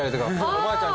おばあちゃん